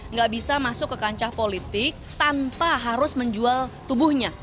nggak bisa masuk ke kancah politik tanpa harus menjual tubuhnya